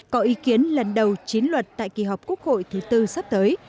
có ý kiến lần đầu chín luật tại kỳ họp quốc hội thứ tư sắp tới